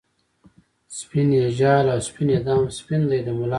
سپین یی جال او سپین یی دام ، سپین دی د ملا رنګ